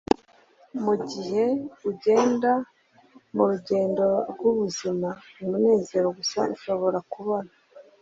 kandi mugihe ugenda murugendo rwubuzima, umunezero gusa ushobora kubona